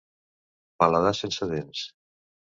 Paladar sense dents.